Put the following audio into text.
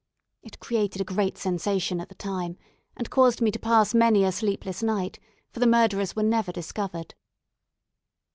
It created a great sensation at the time, and caused me to pass many a sleepless night, for the murderers were never discovered.